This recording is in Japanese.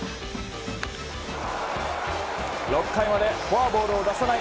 ６回までフォアボールを出さない